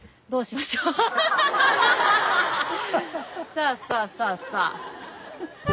さあさあさあさあ。